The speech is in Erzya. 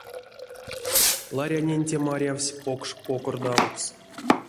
Ларянень те марявсь покш покордамокс.